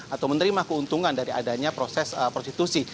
atau menerima keuntungan dari adanya proses prostitusi